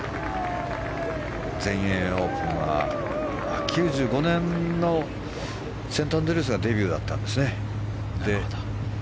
全英オープンは９５年のセントアンドリュースがデビューだったんですね。